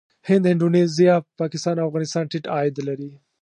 هند، اندونیزیا، پاکستان او افغانستان ټيټ عاید لري.